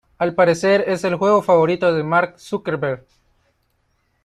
Al parecer es el juego favorito de Mark Zuckerberg.